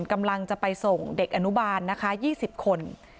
กำลังจะไปส่งเด็กอนุบาลนะคะ๒๐คน